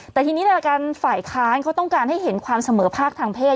แต่ทีนี้ในการฝ่ายค้านเขาต้องการให้เห็นความเสมอภาคทางเพศ